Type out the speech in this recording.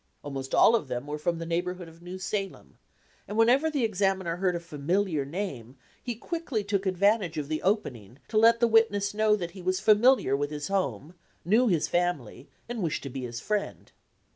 Almost all of them were from the neighborhood of New Salem, and whenever the examiner heard a familiar name he quickly took advantage of the opening to let the witness know that he was familiar with his home, knew his family, and wished to be his friend.